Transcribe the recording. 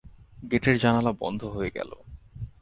গেটের জানালা বন্ধ হয়ে গেল।